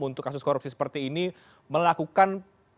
untuk kasus korupsi seperti ini melakukan